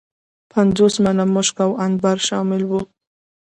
پنځوس منه مشک او عنبر شامل وه.